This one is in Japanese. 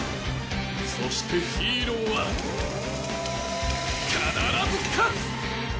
そしてヒーローは必ず勝つ！